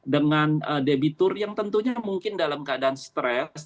dengan debitur yang tentunya mungkin dalam keadaan stres